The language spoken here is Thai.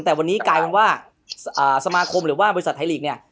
แต่วันนี้กลายเป็นว่าสมาคมหรือว่าบริษัทไทยลีกเนี่ย